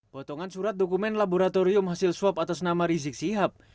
potongan surat dokumen laboratorium hasil swab atas nama rizik sihab